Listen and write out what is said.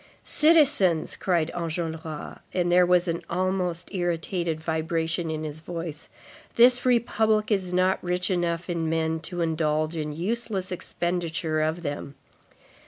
"Citizens," cried Enjolras, and there was an almost irritated vibration in his voice, "this republic is not rich enough in men to indulge in useless expenditure of them.